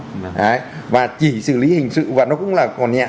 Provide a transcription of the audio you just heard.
đấy và chỉ xử lý hình sự và nó cũng là còn nhẹ